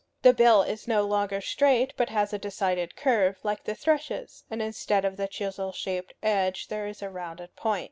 The bill is no longer straight, but has a decided curve, like the thrushes; and instead of the chisel shaped edge there is a rounded point.